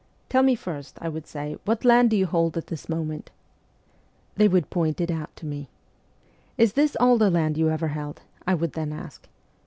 " Tell me first," I would say, "what land do you hold at this SIBERIA 207 moment ?" They would point it out to me. " Is this all the land you ever held ?" I would then ask.